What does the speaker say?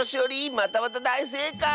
またまただいせいかい！